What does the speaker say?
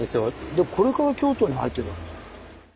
でこれから京都に入ってたんですね。